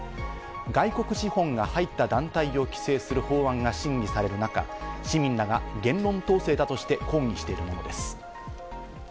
外国資本が入った団体を規制する法案が審議される中、市民らが言論統制だとして抗議しているものです。